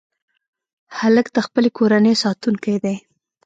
هلک د خپلې کورنۍ ساتونکی دی.